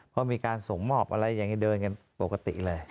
เพราะมีการส่งมอบอะไรอย่างนี้เดินกันปกติเลย